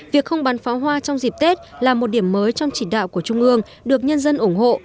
việc không bắn pháo hoa trong dịp tết là một điểm mới trong chỉ đạo của trung ương được nhân dân ủng hộ